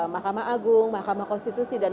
mahkamah agung mahkamah konstitusi dan